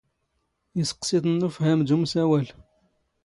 ⵉⵙⵇⵙⵉⵜⵏ ⵏ ⵓⴼⵀⴰⵎ ⵏ ⵓⵎⵙⴰⵡⴰⵍ